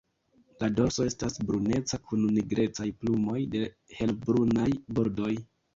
La dorso estas bruneca kun nigrecaj plumoj de helbrunaj bordoj.